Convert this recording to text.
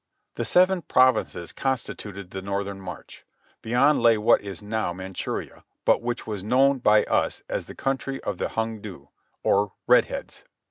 The seven provinces constituted the northern march. Beyond lay what is now Manchuria, but which was known by us as the country of the Hong du, or "Red Heads."